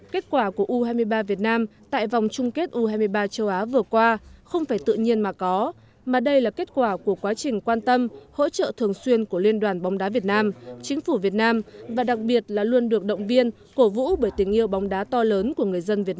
kết quả của u hai mươi ba việt nam tại vòng chung kết u hai mươi ba châu á vừa qua không phải tự nhiên mà có mà đây là kết quả của quá trình quan tâm hỗ trợ thường xuyên của liên đoàn bóng đá việt nam chính phủ việt nam và đặc biệt là luôn được động viên cổ vũ bởi tình yêu bóng đá to lớn của người dân việt nam